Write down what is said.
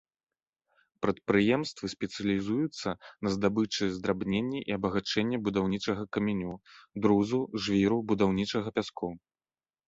Прадпрыемствы спецыялізуюцца на здабычы, здрабненні і абагачэнні будаўнічага каменю, друзу, жвіру, будаўнічага пяску.